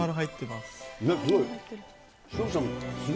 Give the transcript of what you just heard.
すごい。